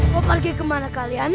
mau pergi kemana kalian